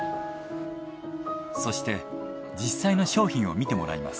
そして実際の商品を見てもらいます。